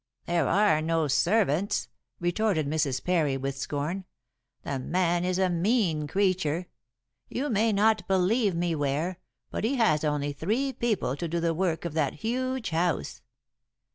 "There are no servants," retorted Mrs. Parry, with scorn. "The man is a mean creature. You may not believe me, Ware, but he has only three people to do the work of that huge house."